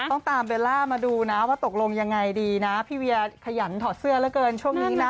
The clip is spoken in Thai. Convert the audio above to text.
ต้องตามเบลล่ามาดูนะว่าตกลงยังไงดีนะพี่เวียขยันถอดเสื้อเหลือเกินช่วงนี้นะ